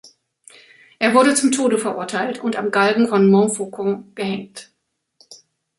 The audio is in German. Er wurde zum Tode verurteilt und am Galgen von Montfaucon gehängt.